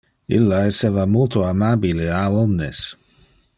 Illa esseva multo amabile a omnes.